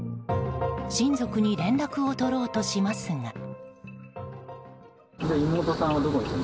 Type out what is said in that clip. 親族に連絡を取ろうとしますが。